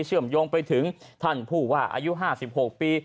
เชื่อมโยงไปถึงท่านผู้ว่าอายุ๕๖ปี